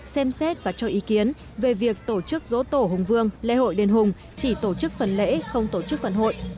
xem xét và cho ý kiến về việc tổ chức dỗ tổ hùng vương lễ hội đền hùng chỉ tổ chức phần lễ không tổ chức phần hội